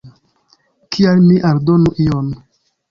Kial mi aldonu ion.